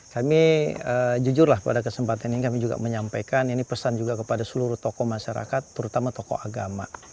kami jujur lah pada kesempatan ini kami juga menyampaikan ini pesan juga kepada seluruh tokoh masyarakat terutama tokoh agama